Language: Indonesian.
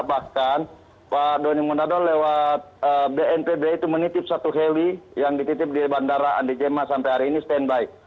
bahkan pak doni monado lewat bnpb itu menitip satu heli yang dititip di bandara andijema sampai hari ini standby